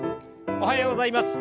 おはようございます。